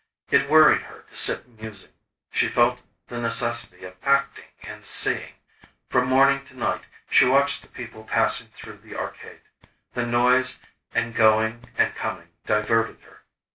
It worried her to sit musing. She felt the necessity of acting and seeing. From morning to night, she watched the people passing through the arcade. The noise, and going and coming diverted her.